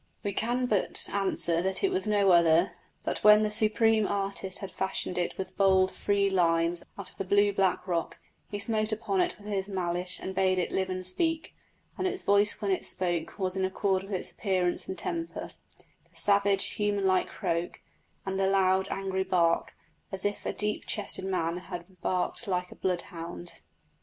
We can but answer that it was no other; that when the Supreme Artist had fashioned it with bold, free lines out of the blue black rock, he smote upon it with his mallet and bade it live and speak; and its voice when it spoke was in accord with its appearance and temper the savage, human like croak, and the loud, angry bark, as if a deep chested man had barked like a blood hound.